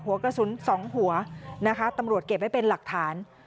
หัวกระสุน๒หัวนะคะตำรวจเก็บไว้เป็นหลักฐาน